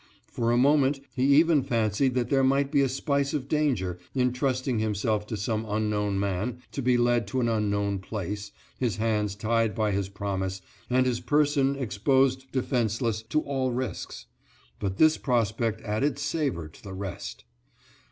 For a moment he even fancied there might be a spice of danger in trusting himself to some unknown man to be led to an unknown place, his hands tied by his promise, and his person exposed defenseless to all risks. But this prospect added savor to the rest.